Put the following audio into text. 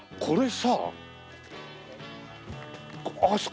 これさあ。